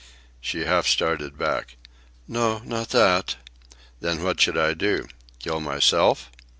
She half started back. "No, not that!" "Then what should I do? Kill myself?"